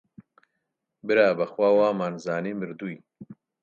برا بەخوا وەمانزانی مردووی